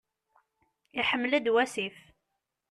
Iḥmel-d wasif.